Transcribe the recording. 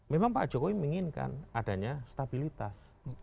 memang pak jokowi menginginkan adanya stabilitas